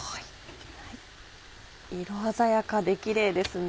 色鮮やかでキレイですね。